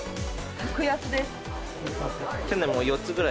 「格安です！」